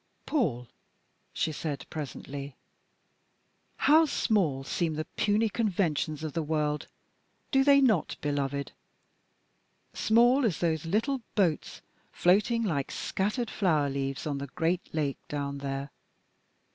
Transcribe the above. "Paul," she said presently, "how small seem the puny conventions of the world, do they not, beloved? Small as those little boats floating like scattered flower leaves on the great lake down there.